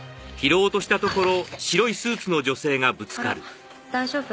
あら大丈夫？